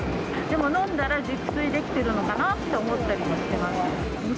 でも飲んだら熟睡できてるのかなと思ったります。